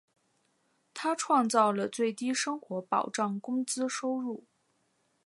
他创造了最低生活保障工资收入。